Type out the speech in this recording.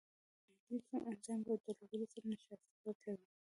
د امایلیز انزایم په درلودو سره نشایسته بدلوي.